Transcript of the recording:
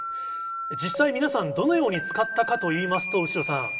実際、皆さん、どのように使ったかといいますと、後呂さん。